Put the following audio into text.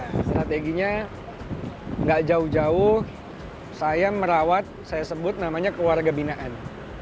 strateginya gak jauh jauh saya merawat saya sebut namanya keluarga binaan